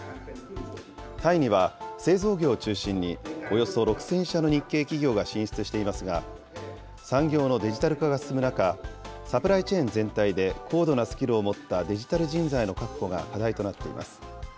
タイには、製造業を中心に、およそ６０００社の日系企業が進出していますが、産業のデジタル化が進む中、サプライチェーン全体で高度なスキルを持ったデジタル人材の確保が課題となっています。